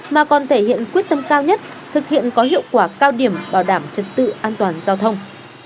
mà còn thể hiện quyết tâm cao nhất thực hiện có hiệu quả cao điểm bảo đảm trật tự an toàn giao thông